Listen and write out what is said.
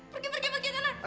pergi pergi pergi ke sana